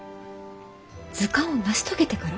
図鑑を成し遂げてから？